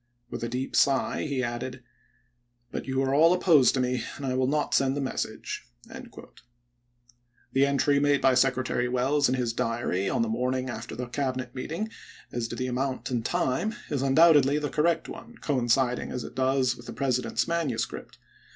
With a deep sigh he added, 'Trlbul?? 'But you are all opposed to me, and I will not Sei885?3' send the message.'" The entry made by Secretary Welles in his diary on the morning after the Cabinet meeting, as to the amount and time, is undoubtedly the correct one, coinciding as it does with the President's manuscript.